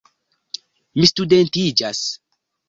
Mi studentiĝas!